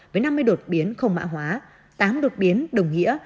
với năm mươi đột biến không mã hóa tám đột biến đồng nghĩa